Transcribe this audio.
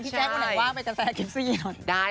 พี่แจ๊ควันไหนว่างไปกาแฟกริปซี่นี่หน่อย